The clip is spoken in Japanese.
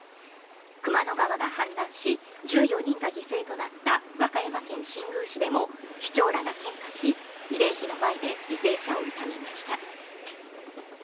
熊野川が氾濫し１４人が犠牲となった和歌山県新宮市でも市長らが献花し慰霊碑の前で犠牲者を悼みました。